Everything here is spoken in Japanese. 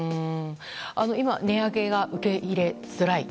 今、値上げが受け入れづらい。